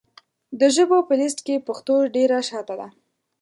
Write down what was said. د ژبو په لېسټ کې پښتو ډېره شاته ده .